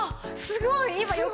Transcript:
すごいよ！